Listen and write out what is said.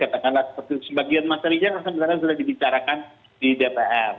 saya kira sebagian materinya sudah dibicarakan di dpr